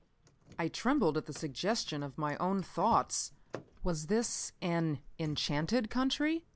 I trembled at the suggestion of my own thoughts. Was this an enchanted country?